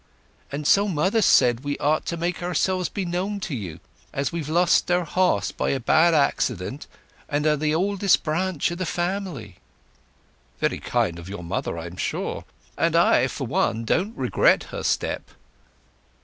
"And so mother said we ought to make ourselves beknown to you—as we've lost our horse by a bad accident, and are the oldest branch o' the family." "Very kind of your mother, I'm sure. And I, for one, don't regret her step."